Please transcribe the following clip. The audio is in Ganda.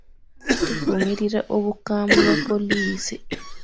Tuvumirira obukambwe bwa poliisi?